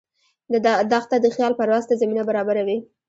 دښته د خیال پرواز ته زمینه برابروي.